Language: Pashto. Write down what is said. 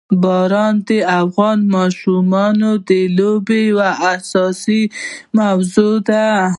باران د افغان ماشومانو د لوبو یوه موضوع ده.